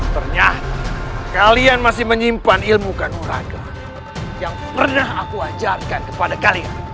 ternyata kalian masih menyimpan ilmu kanoraka yang pernah aku ajarkan kepada kalian